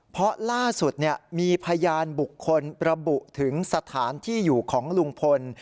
เพราะล่าสุดมีพยานบุคคลระบุถึงสถานที่อยู่ของลุงพล